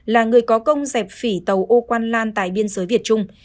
là người có công dẹp phỉ tàu oq quan lan tại biên giới việt trung